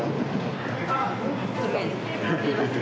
すいません。